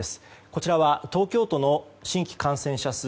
こちらは東京都の新規感染者数。